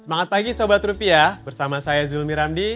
semangat pagi sobat rupiah bersama saya zulmi ramdi